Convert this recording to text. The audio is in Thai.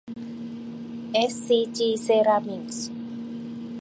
เอสซีจี เซรามิกส์